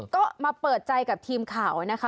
ก็มาเปิดใจกับทีมข่าวนะคะ